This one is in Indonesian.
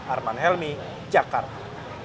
arman helmi jakarta